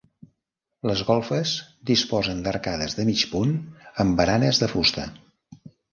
Les golfes disposen d'arcades de mig punt amb baranes de fusta.